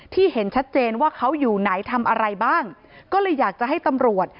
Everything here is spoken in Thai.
เห็นชัดเจนว่าเขาอยู่ไหนทำอะไรบ้างก็เลยอยากจะให้ตำรวจ